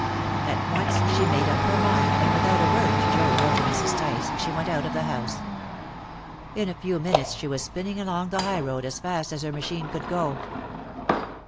At once she made up her mind, and without a word to Joad or to Mrs. Tice she went out of the house. In a few minutes she was spinning along the highroad as fast as her machine could go.